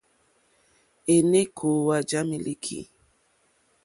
Èné kòòwà yà mílíkì.